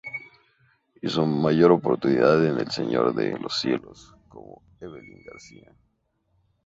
Y su mayor oportunidad en El señor de los cielos como Evelyn García.